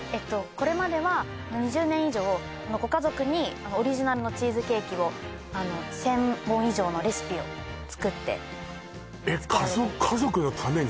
これまでは２０年以上ご家族にオリジナルのチーズケーキを１０００本以上のレシピを作って作られていてえっ家族のために？